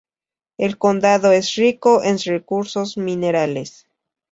El condado es rico en recursos minerales.